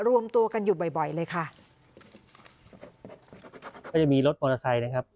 รวมตัวกันอยู่บ่อยบ่อยเลยค่ะก็จะมีรถมอเตอร์ไซค์นะครับ